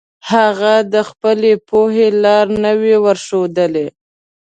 هغه د خپلې پوهې لار نه وي ورښودلي.